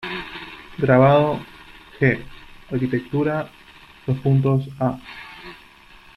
Grabado: g. Arquitectura: a.